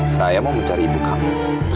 saya mau mencari ibu kamu